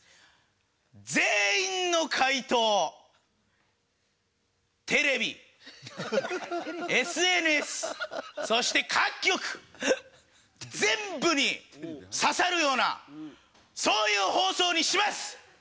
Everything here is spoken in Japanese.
全員の解答テレビＳＮＳそして各局全部に刺さるようなそういう放送にします！